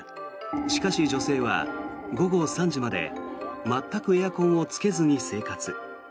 しかし女性は午後３時まで全くエアコンをつけずに生活。